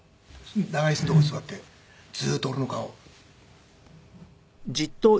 長椅子の所に座ってずっと俺の顔を。